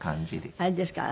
あれですか？